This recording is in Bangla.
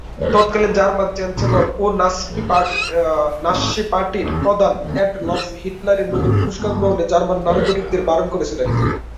তৎকালীন জার্মান চ্যান্সেলর ও নাৎসি পার্টির প্রধান অ্যাডলফ হিটলার নোবেল পুরস্কার গ্রহণে জার্মান নাগরিকদের বারণ করেছিলেন।